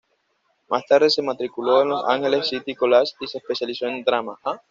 Más tarde se matriculó en Los Angeles City College y se especializó en drama.